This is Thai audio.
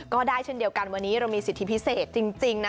ก็ได้เช่นเดียวกันวันนี้เรามีสิทธิพิเศษจริงนะ